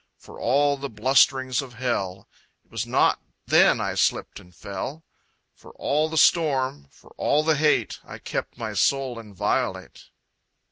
For all the blusterings of Hell, It was not then I slipped and fell; For all the storm, for all the hate, I kept my soul inviolate!